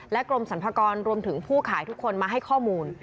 กรมสรรพากรรวมถึงผู้ขายทุกคนมาให้ข้อมูล